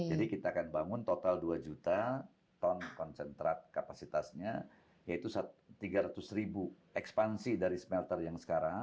jadi kita akan bangun total dua juta ton konsentrat kapasitasnya yaitu tiga ratus ribu ekspansi dari smelter yang sekarang